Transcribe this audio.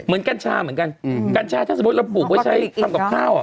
เหมือนการชาเหมือนกันการชาถ้าสมมุติเราปลูกไว้ใช้คำตอบข้าว